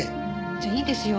じゃあいいですよ。